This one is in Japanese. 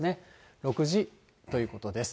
６時ということです。